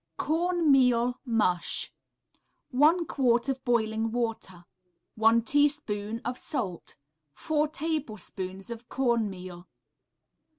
Corn meal Mush 1 quart of boiling water. 1 teaspoon of salt. 4 tablespoons of corn meal.